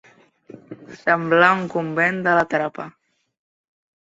Semblar un convent de la trapa.